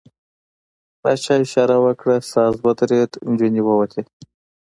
پاچا اشاره وکړه، ساز ودرېد، نجونې ووتې.